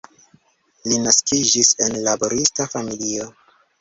Li naskiĝis en laborista familio.